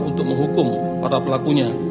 untuk menghukum para pelakunya